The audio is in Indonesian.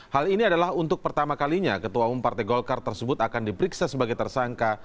hal ini adalah untuk pertama kalinya ketua umum partai golkar tersebut akan diperiksa sebagai tersangka